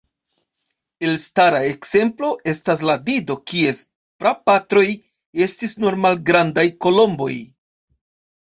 Elstara ekzemplo estas la dido, kies prapatroj estis normal-grandaj kolomboj.